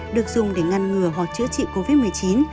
được dùng để ngăn ngừa hoặc chữa trị covid một mươi chín